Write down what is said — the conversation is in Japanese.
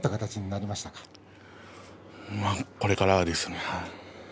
これからですね。